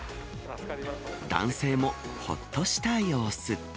男性もほっとした様子。